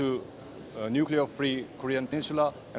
untuk peninsular korea yang bebas nuklir